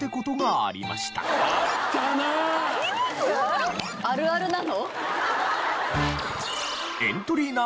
あるあるなの？